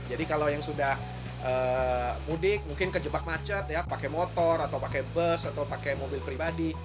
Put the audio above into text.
jadi kalau yang sudah mudik mungkin kejebak macet pakai motor atau pakai bus atau pakai mobil pribadi